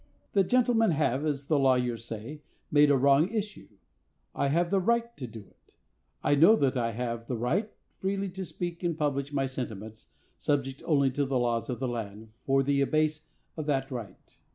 The gentlemen have, as the lawyers say, made a wrong issue. I have the right to do it. I know that I have the right freely to speak and publish my sentiments, subject only to the laws of the land for the abase of that right.